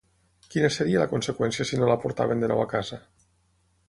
Quina seria la conseqüència si no la portaven de nou a casa?